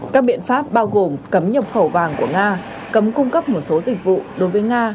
các biện pháp bao gồm cấm nhập khẩu vàng của nga cấm cung cấp một số dịch vụ đối với nga